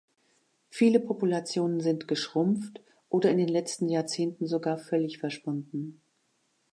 Viele Populationen sind geschrumpft oder in den letzten Jahrzehnten sogar völlig verschwunden.